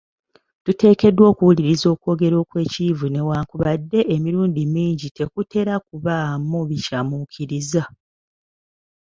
Tuteekeddwa okuwuliriza okwogera okw’ekiyivu ne wankubadde emirundi mingi tekutera kubaamu bikyamuukiriza.